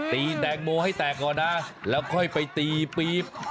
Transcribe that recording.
แตงโมให้แตกก่อนนะแล้วค่อยไปตีปี๊บ